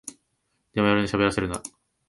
デマ野郎にしゃべらせるな